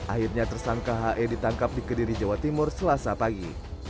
akhirnya tersangka he ditangkap di kediri jawa timur selasa pagi